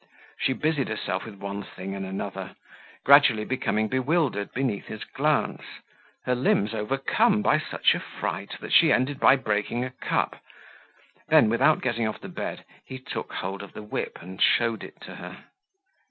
She busied herself with one thing and another, gradually becoming bewildered beneath his glance, her limbs overcome by such a fright that she ended by breaking a cup. Then, without getting off the bed, he took hold of the whip and showed it to her.